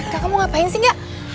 kak kamu ngapain sih enggak